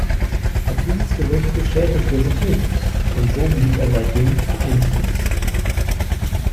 Doch dieses Gerücht bestätigte sich nicht und so blieb er seitdem vereinslos.